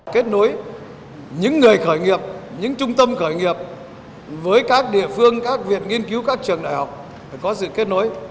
kết nối những người khởi nghiệp những trung tâm khởi nghiệp với các địa phương các việc nghiên cứu các trường đại học phải có sự kết nối